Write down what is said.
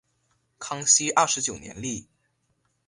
康熙二十九年立。